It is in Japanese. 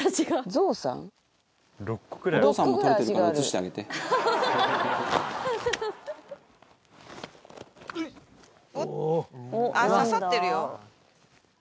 財前：刺さってるよ。